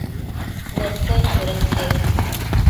Nesenquioda ique?